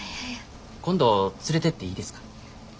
今度連れてっていいですか？